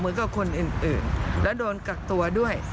เหมือนกับคนอื่นและโดนกักตัวด้วย